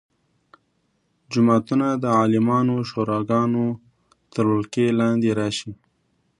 جوماتونه د عالمانو شوراګانو تر ولکې لاندې راشي.